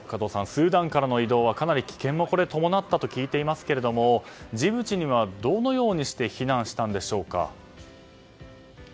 スーダンからの移動はかなり危険も伴ったと聞いていますけれどもジブチにはどのようにして避難したんでしょうか。